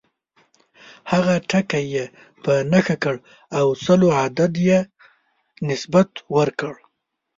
هغه ټکی یې په نښه کړ او سلو عدد یې نسبت ورکړ.